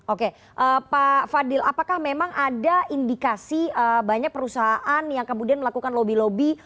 oke pak fadil apakah memang ada indikasi banyak perusahaan yang kemudian melakukan lobby lobby